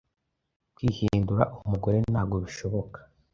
kwihindura umugore ntabwo bishoboka